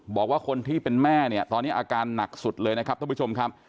บอกว่าคนที่เป็นแม่เนี่ยตอนนี้อาการหนักสุดเลยนะครับท่านผู้ชมครับ